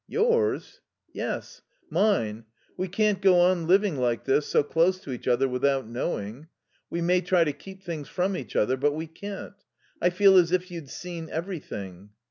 "Yours?" "Yes. Mine. We can't go on living like this, so close to each other, without knowing. We may try to keep things from each other, but we can't. I feel as if you'd seen everything."